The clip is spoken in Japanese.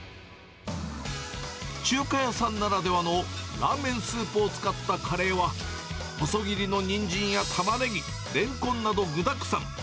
中華屋さんならではのラーメンスープを使ったカレーは、細切りのニンジンやタマネギ、レンコンなど具だくさん。